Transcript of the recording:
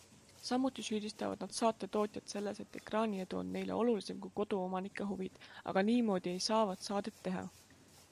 Samuti süüdistavad nad saatetootjat selles, et ekraaniedu on neile olulisem kui koduomanike huvid, aga niimoodi ei saavat saadet teha.